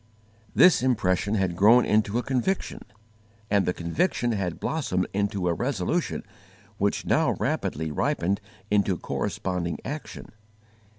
This impression had grown into a conviction, and the conviction had blossomed into a resolution which now rapidly ripened into corresponding action.